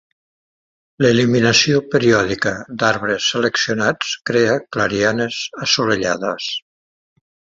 L'eliminació periòdica d'arbres seleccionats crea clarianes assolellades.